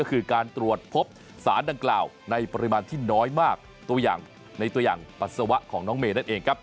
ก็คือการตรวจพบสารดังกล่าวในปริมาณที่น้อยมากตัวอย่างในตัวอย่างปัสสาวะของน้องเมย์นั่นเองครับ